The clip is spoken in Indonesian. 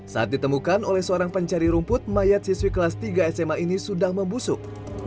saat ditemukan oleh seorang pencari rumput mayat siswi kelas tiga sma ini sudah membusuk